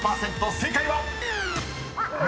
［正解は⁉］